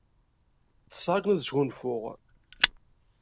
Ttesseɣ akken ad sgunfuɣ.